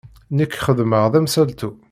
Nekk xeddmeɣ d amsaltu.